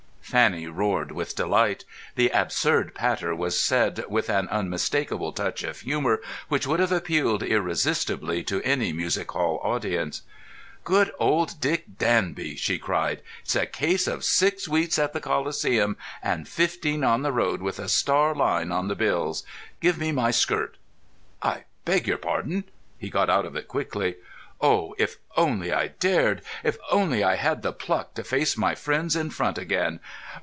Fanny roared with delight. The absurd patter was said with an unmistakable touch of humour which would have appealed irresistibly to any music hall audience. "Good old Dick Danby!" she cried. "It's a case of six weeks at the Coliseum and fifteen on the road, with a star line on the bills. Give me my skirt." "I beg your pardon!" He got out of it quickly. "Oh, if only I dared! If only I had the pluck to face my friends in front again!